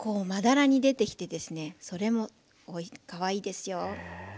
それもかわいいですよ。